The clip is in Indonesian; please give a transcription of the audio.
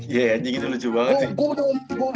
iya anjing itu lucu banget sih